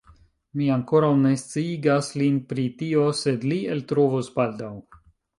Mi ankoraŭ ne sciigas lin pri tio sed li eltrovos baldaŭ